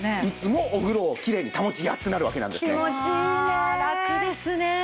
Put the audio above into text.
いつもお風呂をキレイに保ちやすくなるわけなんですね。